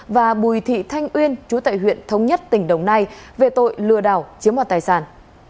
và bùi thị thanh uyên chú tại huyện thống nhất tỉnh đồng nai về tội lừa đảo chiếm hoạt tài sản